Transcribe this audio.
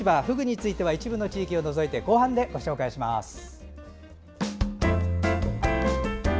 フグについては一部の地域を除いて後半でご紹介します。